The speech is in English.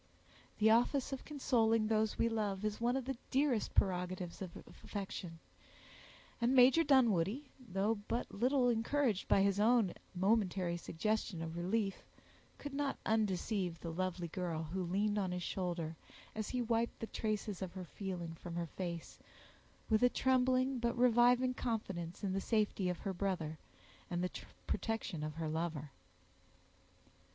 The office of consoling those we love is one of the dearest prerogatives of affection; and Major Dunwoodie, although but little encouraged by his own momentary suggestion of relief, could not undeceive the lovely girl, who leaned on his shoulder, as he wiped the traces of her feeling from her face, with a trembling, but reviving confidence in the safety of her brother, and the protection of her lover.